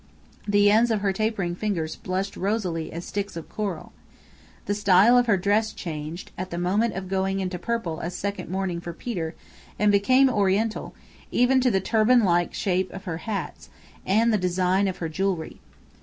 The ends of her tapering fingers blushed rosily as sticks of coral. The style of her dress changed, at the moment of going into purple as "second mourning" for Peter, and became oriental, even to the turban like shape of her hats, and the design of her jewellery.